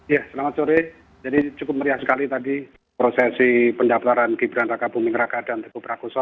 ya selamat sore jadi cukup meriah sekali tadi prosesi pendaftaran gibran raka buming raka dan teguh prakoso